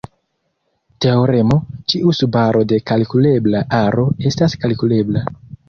Teoremo: Ĉiu subaro de kalkulebla aro estas kalkulebla.